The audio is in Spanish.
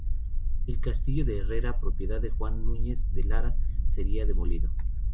El castillo de Herrera, propiedad de Juan Núñez de Lara, sería demolido.